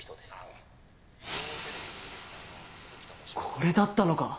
これだったのか！